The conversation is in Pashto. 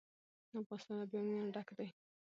افغانستان له بامیان ډک دی.